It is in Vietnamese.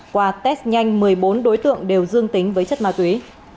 qua test nhanh một mươi bốn đối tượng đều dương tính với chất ma túy